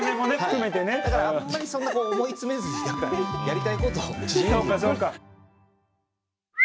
だから、あんまりそんな思い詰めずにやりたいことを自由に。